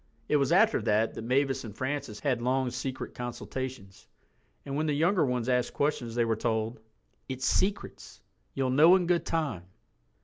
It was after that that Mavis and Francis had long secret consultations—and when the younger ones asked questions they were told, "It's secrets. You'll know in good time."